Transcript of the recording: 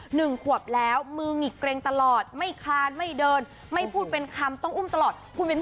หนึ่งขวบแล้วมือหงิกเกร็งตลอดไม่คานไม่เดินไม่พูดเป็นคำต้องอุ้มตลอดคุณเป็นพ่อ